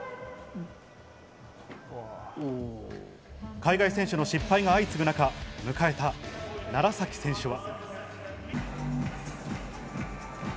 海外選手の失敗が相次ぐ中、迎えた楢崎選手は。